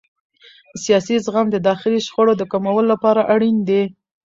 سیاسي زغم د داخلي شخړو د کمولو لپاره اړین دی